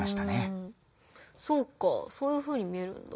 そうかそういうふうに見えるんだ。